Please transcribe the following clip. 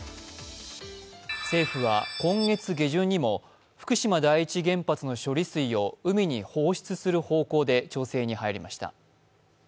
政府は今月下旬にも福島第一原発の処理水を海に放出する方向で調整に入りました。